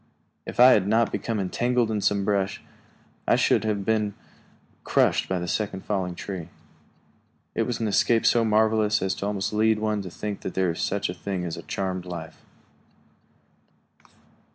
If I had not become entangled in some brush, I should have been crushed by the second falling tree. It was an escape so marvelous as almost to lead one to think that there is such a thing as a charmed life. [Illustration: A narrow escape.